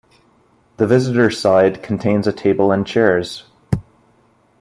The visitor side contains a table and chairs.